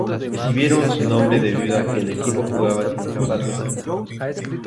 Recibieron su nombre debido a que el equipo jugaba sin zapatos deportivos.